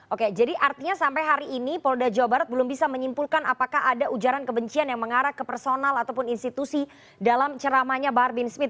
oke jadi artinya sampai hari ini polda jawa barat belum bisa menyimpulkan apakah ada ujaran kebencian yang mengarah ke personal ataupun institusi dalam ceramanya bahar bin smith